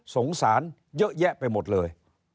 สงสารเยอะแยะไปหมดเลย